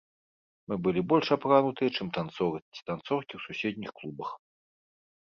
Мы былі больш апранутыя, чым танцоры ці танцоркі ў суседніх клубах.